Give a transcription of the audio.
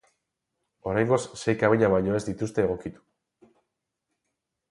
Oraingoz, sei kabina baino ez dituzte egokitu.